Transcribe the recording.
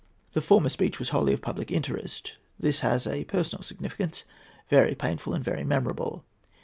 The former speech was wholly of public interest. This has a personal significance, very painful and very memorable.